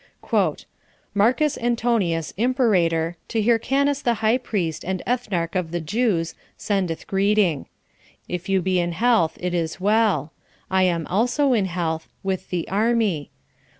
3. "Marcus Antonius, imperator, to Hyrcanus the high priest and ethnarch of the Jews, sendeth greeting. It you be in health, it is well; I am also in health, with the army.